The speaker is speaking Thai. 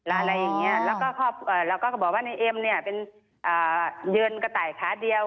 อะไรอย่างนี้แล้วก็บอกว่าเอ็มเป็นเยือนกระไต่ขาดเดียว